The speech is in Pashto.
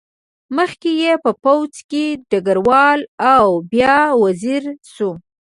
مخکې یې په پوځ کې ډګروال و او بیا وزیر شو.